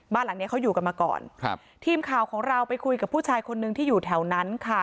บ้านหลังเนี้ยเขาอยู่กันมาก่อนครับทีมข่าวของเราไปคุยกับผู้ชายคนนึงที่อยู่แถวนั้นค่ะ